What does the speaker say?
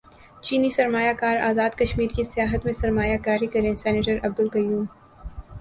چینی سرمایہ کار ازاد کشمیر کی سیاحت میں سرمایہ کاری کریں سینیٹر عبدالقیوم